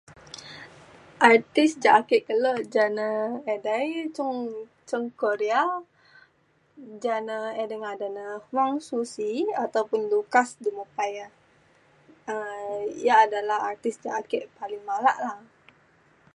artis ja ake kelo ja na edei cung cung Korea ja na edsi ngadan na Wong Xu Xi ataupun Lukas du me pai ia’ um ia’ adalah artis ca ake paling malak la